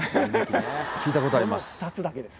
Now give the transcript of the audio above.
聞いたことあります。